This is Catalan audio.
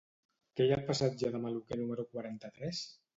Què hi ha al passatge de Maluquer número quaranta-tres?